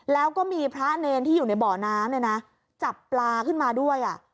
แล้วก็มีพระเนรที่อยู่ในเบาะน้ำจับปลาขึ้นมาด้วย